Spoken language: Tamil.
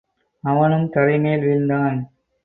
அவனும் தரைமேல் வீழ்ந்தான்.